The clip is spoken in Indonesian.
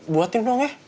buatin dong ya